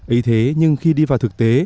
ý thế nhưng khi đi vào thực tế